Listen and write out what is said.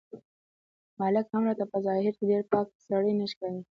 ملک هم راته په ظاهر کې ډېر پاک سړی نه ښکاري.